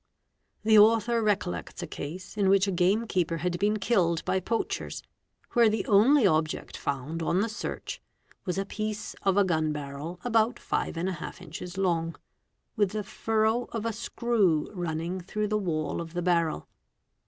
The author recollects a case in which a game keeper had been killed by poachers, where the only object found on the search was a piece of a gun barrel about 53 inches long, with the furrow of a screw running through the wall of the barrel.